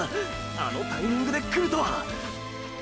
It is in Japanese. あのタイミングでくるとは！